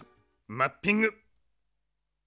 マッピング。